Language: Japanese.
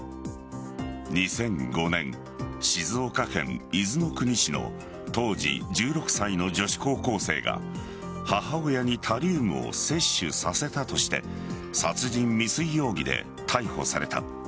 ２００５年、静岡県伊豆の国市の当時１６歳の女子高校生が母親にタリウムを摂取させたとして殺人未遂容疑で逮捕された。